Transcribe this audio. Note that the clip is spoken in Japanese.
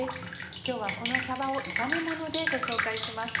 今日はこのさばを炒めものでご紹介します。